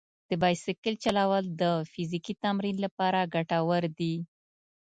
د بایسکل چلول د فزیکي تمرین لپاره ګټور دي.